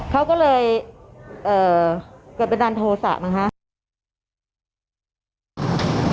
เขาก็เลยเกิดเป็นดันโทษะนะครับ